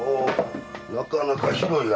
なかなか広いな。